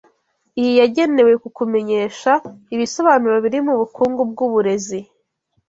Iyi yagenewe kukumenyesha ibisobanuro biri mubukungu bwuburezi